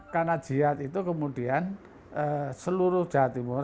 karena jihad itu kemudian seluruh jawa timur